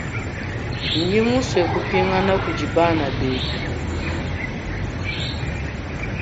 Ndimusue kuhingana kudi bana betu.